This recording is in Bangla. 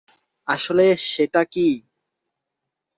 আসলে সেটা কি?